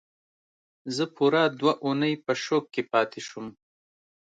زه پوره دوه اونۍ په شوک کې پاتې شوم